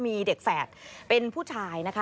มีเด็กแฝดเป็นผู้ชายนะคะ